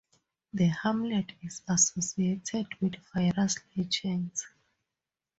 The hamlet is associated with various legends.